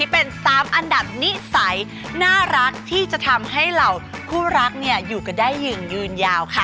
เป็น๓อันดับนิสัยน่ารักที่จะทำให้เหล่าคู่รักอยู่กันได้ยืนยืนยาวค่ะ